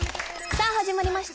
さあ始まりました